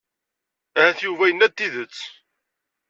Ahat Yuba yenna-d tidet.